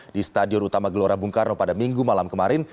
di stadion utama gelora bung karno pada minggu malam kemarin